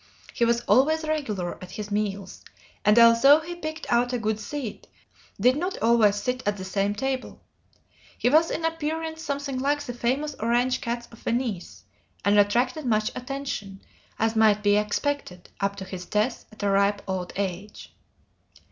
He was always regular at his meals, and although he picked out a good seat, did not always sit at the same table. He was in appearance something like the famous orange cats of Venice, and attracted much attention, as might be expected, up to his death, at a ripe old age.